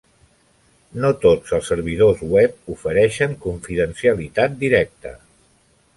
No tots els servidors web ofereixen confidencialitat directa.